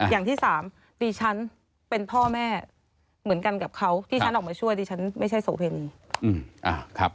อย่างที่สามดิฉันเป็นพ่อแม่เหมือนกันกับเขาที่ฉันออกมาช่วยดิฉันไม่ใช่โสเพณี